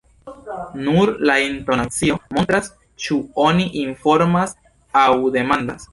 Nur la intonacio montras, ĉu oni informas aŭ demandas.